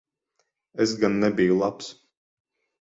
Es gan nebiju labs.